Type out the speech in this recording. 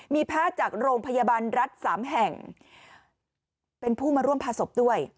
มีแพทย์จากโรงพยาบาลรัฐสามแห่งเป็นผู้มาร่วมพาศพด้วย